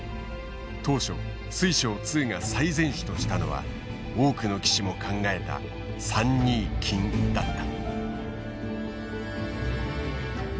当初水匠２が最善手としたのは多くの棋士も考えた３二金だった。